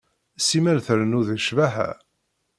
Simmal trennu deg ccbaḥa.